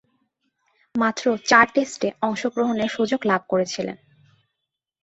মাত্র চার টেস্টে অংশগ্রহণের সুযোগ লাভ করেছিলেন।